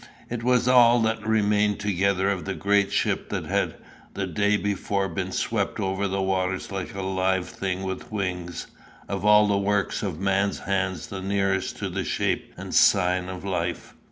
It was all that remained together of the great ship that had the day before swept over the waters like a live thing with wings of all the works of man's hands the nearest to the shape and sign of life.